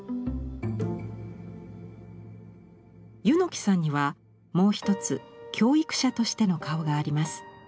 柚木さんにはもう一つ教育者としての顔があります。